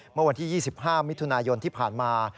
เมื่อวันที่๒๕มิถุนายนที่ผ่านมา